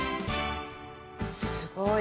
すごい。